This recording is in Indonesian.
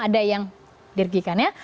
ada yang dirgikan ya